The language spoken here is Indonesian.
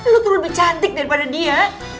lo tuh lebih cantik daripada dia